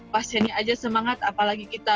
pasiennya aja semangat apalagi kita